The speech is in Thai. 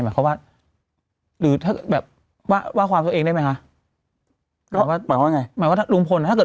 หมายความว่าหรือถ้าแบบว่าว่าความตัวเองได้ไหมฮะก็หมายความว่าไง